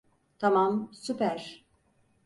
Tamam, süper.